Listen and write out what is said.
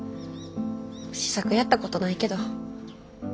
試作やったことないけど。